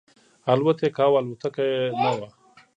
الوت یې کاو الوتکه یې نه وه.